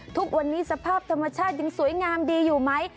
ทุกวันนี้สภาพธรรมชาติยังสวยงามดีอยู่ไหม